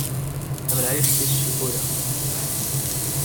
Ḥemmleɣ ayefki s ccukula.